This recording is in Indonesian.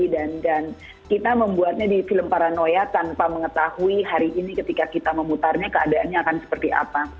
dan kita membuatnya di film paranoia tanpa mengetahui hari ini ketika kita memutarnya keadaannya akan seperti apa